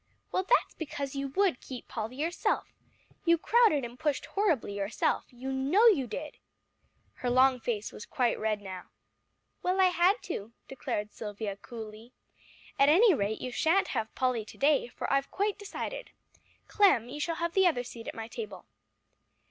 "Well, that's because you would keep Polly yourself. You crowded and pushed horribly yourself, you know you did." Her long face was quite red now. "Well, I had to," declared Silvia coolly. "At any rate, you sha'n't have Polly to day, for I've quite decided. Clem, you shall have the other seat at my table."